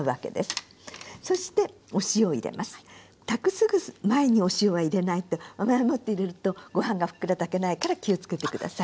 すぐ前にお塩は入れないと前もって入れるとご飯がふっくら炊けないから気をつけて下さい。